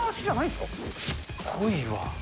すごいわ。